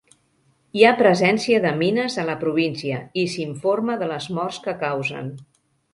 Hi ha presència de mines a la província i s'informa de les morts que causen.